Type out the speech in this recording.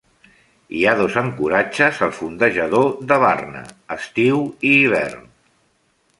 Hi ha dos ancoratges al fondejador de Varna: estiu i hivern.